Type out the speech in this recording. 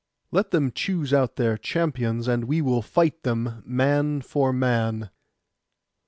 'Let them choose out their champions, and we will fight them, man for man.